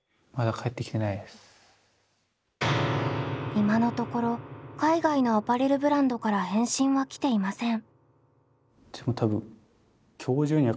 今のところ海外のアパレルブランドから返信は来ていません。